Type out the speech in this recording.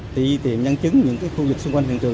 tỷ tiệm nhân chứng những cái khu vực xung quanh hiện trường